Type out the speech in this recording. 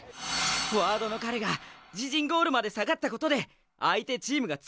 フォワードの彼が自陣ゴールまで下がったことで相手チームが詰めてきた。